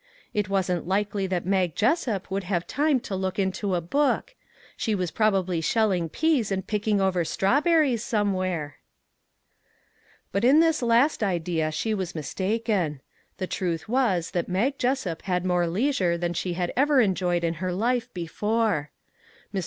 It wasn't likely that Mag Jessup would have time to look into a book; she was probably shelling peas and picking over strawberries somewhere." But in this last idea she was mistaken. The truth was that Mag Jessup had more leisure than she had ever enjoyed in her life before. Mr.